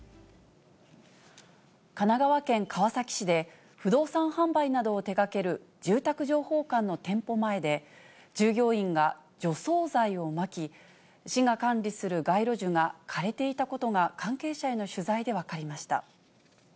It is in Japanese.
神奈川県川崎市で、不動産販売などを手がける住宅情報館の店舗前で、従業員が除草剤をまき、市が管理する街路樹が枯れていたことが、関係者への取材で分かりました。